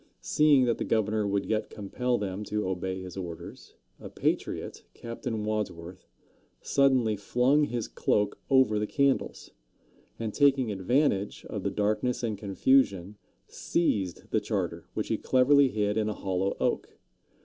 Seeing that the governor would yet compel them to obey his orders, a patriot, Captain Wadsworth, suddenly flung his cloak over the candles, and taking advantage of the darkness and confusion, seized the charter, which he cleverly hid in a hollow oak.